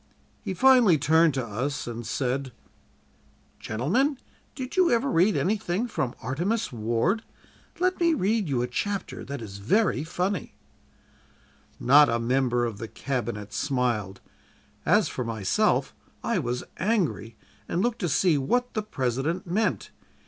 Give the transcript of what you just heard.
He finally turned to us and said: "'Gentlemen, did you ever read anything from "Artemus Ward?" Let me read you a chapter that is very funny.' "Not a member of the Cabinet smiled; as for myself, I was angry, and looked to see what the President meant.